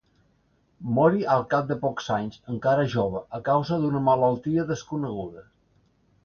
Mori al cap de pocs anys, encara jove, a causa d'una malaltia desconeguda.